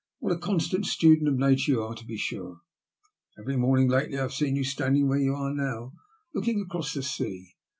What a constant student of nature you are, to be sure. Every morning lately I have seen you standing where you are now, looking across the sea.